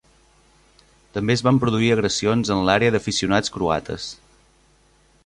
També es van produir agressions en l'àrea d'aficionats croates.